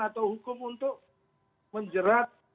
atau hukum untuk menjerat